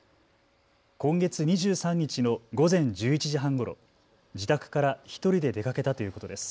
今月２３日の午前１１時半ごろ、自宅から１人で出かけたということです。